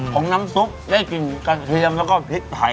ของน้ำซุปได้กลิ่นกระเทียมแล้วก็พริกไทย